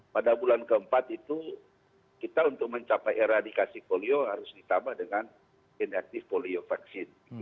pada bulan keempat itu kita untuk mencapai eradikasi polio harus ditambah dengan indektive polio vaksin